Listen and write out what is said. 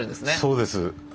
そうです。